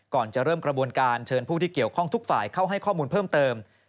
ก่อนจะเริ่มกระบวนการเชิญผู้ที่เกี่ยวข้องทุกฝ่ายเข้าให้ข้อมูลเพิ่มเติม